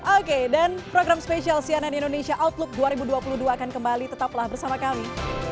oke dan program spesial cnn indonesia outlook dua ribu dua puluh dua akan kembali tetaplah bersama kami